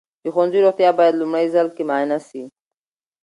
د ښوونځي روغتیا باید لومړي ځل کې معاینه سي.